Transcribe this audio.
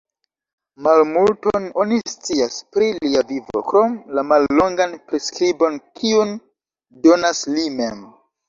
Malmulton oni scias pri lia vivo krom la mallongan priskribon kiun donas li mem.